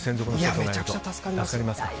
めちゃくちゃ助かりますよ。